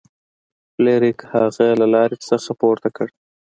فلیریک هغه له لارې نه پورته کړ.